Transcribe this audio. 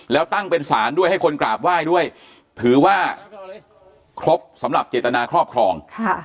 แล้วตั้งเป็นศาลด้วยให้คนกราบไหว้ด้วยถือว่าครบสำหรับเจตนาครอบครอง